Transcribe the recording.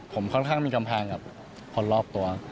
ผมค่อนข้างมีกำแพงกับคนรอบตัว